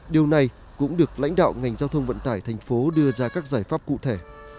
điều này cũng được lãnh đạo ngành giao thông vận tải thành phố đưa ra các giải pháp cụ thể